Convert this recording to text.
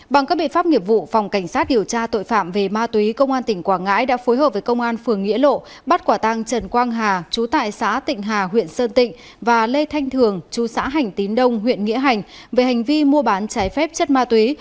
bằng các biện pháp nghiệp vụ phòng cảnh sát điều tra tội phạm về ma túy công an tỉnh quảng ngãi đã phối hợp với công an phường nghĩa lộ bắt quả tăng trần quang hà chú tại xã tịnh hà huyện sơn tịnh và lê thanh thường chú xã hành tín đông huyện nghĩa hành về hành vi mua bán trái phép chất ma túy